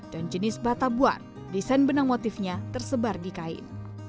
dan jenis batabuar desain benang motifnya tersebar di kain